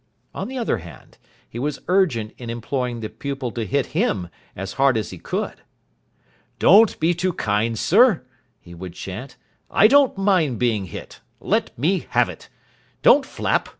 On the other hand, he was urgent in imploring the pupil to hit him as hard as he could. "Don't be too kind, sir," he would chant, "I don't mind being hit. Let me have it. Don't flap.